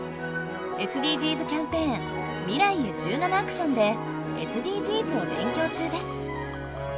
ＳＤＧｓキャンペーン「未来へ１７ａｃｔｉｏｎ」でＳＤＧｓを勉強中です。